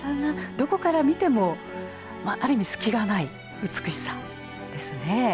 どこから見てもある意味隙がない美しさですね。